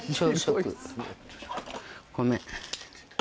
ごめん。